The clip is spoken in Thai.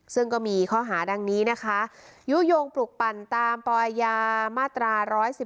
ซึ่งก็มีข้อหาดังนี้นะคะยุโยงปลุกปั่นตามปอยามาตรา๑๑๒